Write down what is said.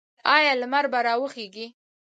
آیا لمر به راوخیږي؟